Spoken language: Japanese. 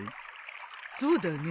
そうだね。